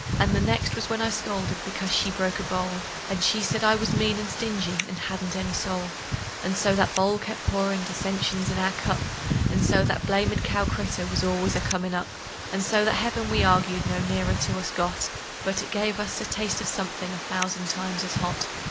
And the next was when I scolded because she broke a bowl; And she said I was mean and stingy, and hadn't any soul. And so that bowl kept pourin' dissensions in our cup; And so that blamed cow critter was always a comin' up; And so that heaven we arg'ed no nearer to us got, But it gave us a taste of somethin' a thousand times as hot.